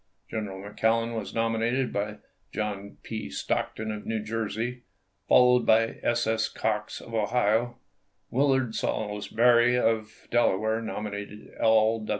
General McClellan was nominated by John P. Stockton of New Jersey, fol lowed by S. S. Cox of Ohio ; Willard Saulsbury of Delaware nominated L.